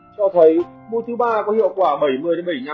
cho thấy môn thứ ba có hiệu quả bảy mươi bảy mươi năm